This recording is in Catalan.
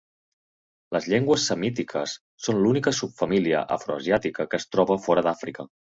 Les llengües semítiques són l'única subfamília afroasiàtica que es troba fora d'Àfrica.